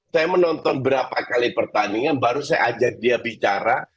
saya menonton berapa kali pertandingan baru saya ajak dia bicara